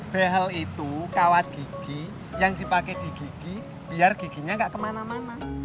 bebel itu kawat gigi yang dipake di gigi biar giginya gak kemana mana